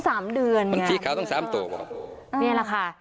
อ้อสามเดือนมันที่เขาต้องสามตัวบอกนี่แหละค่ะ